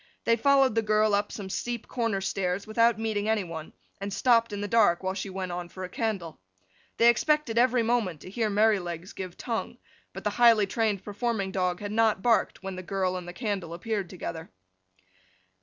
They followed the girl up some steep corner stairs without meeting any one, and stopped in the dark while she went on for a candle. They expected every moment to hear Merrylegs give tongue, but the highly trained performing dog had not barked when the girl and the candle appeared together.